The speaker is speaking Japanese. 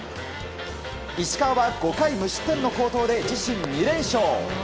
石川は５回無失点の好投で自身２連勝。